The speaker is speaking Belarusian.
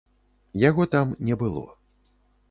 Яго там не было.